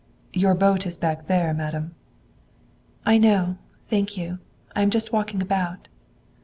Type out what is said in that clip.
"Your boat is back there, madam." "I know. Thank you. I am just walking about."